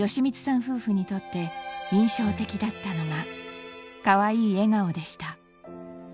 夫婦にとって印象的だったのがかわいい笑顔でした。